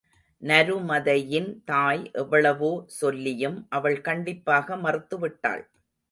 நருமதையின் தாய் எவ்வளவோ சொல்லியும் அவள் கண்டிப்பாக மறுத்து விட்டாள்.